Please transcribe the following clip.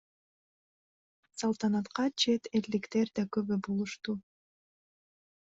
Салтанатка чет элдиктер да күбө болушту.